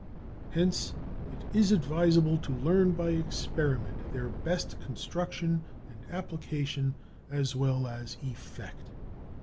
Hence it is advisable to learn by experiment their best construction and application, as well as effect.